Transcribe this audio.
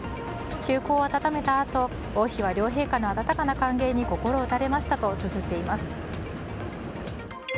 旧交を温めたあと、王妃は両陛下の温かな歓迎に心を打たれましたとつづっています。